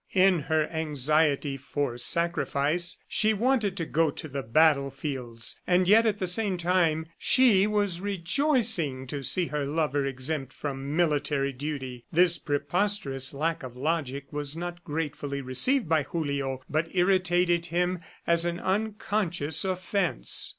In her anxiety for sacrifice, she wanted to go to the battlefields, and yet at the same time, she was rejoicing to see her lover exempt from military duty. This preposterous lack of logic was not gratefully received by Julio but irritated him as an unconscious offense.